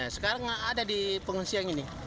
sekarang ada di pengungsi yang ini